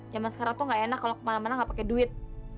zaman sekarang tuh gak enak kalo kemana mana gak pake duit